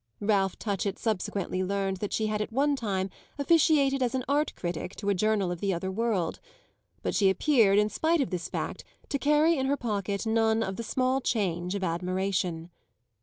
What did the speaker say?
Ralph Touchett subsequently learned that she had at one time officiated as art critic to a journal of the other world; but she appeared, in spite of this fact, to carry in her pocket none of the small change of admiration.